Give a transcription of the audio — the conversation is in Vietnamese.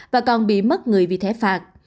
và còn bị mất người vì thẻ phạt